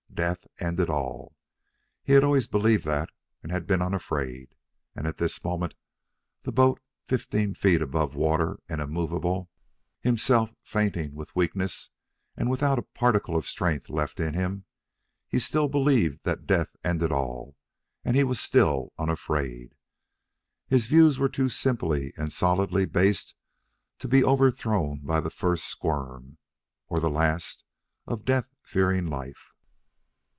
Death ended all. He had always believed that, and been unafraid. And at this moment, the boat fifteen feet above the water and immovable, himself fainting with weakness and without a particle of strength left in him, he still believed that death ended all, and he was still unafraid. His views were too simply and solidly based to be overthrown by the first squirm, or the last, of death fearing life.